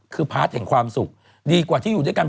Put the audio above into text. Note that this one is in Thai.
คือพาร์ทแห่งความสุขดีกว่าที่อยู่ด้วยกัน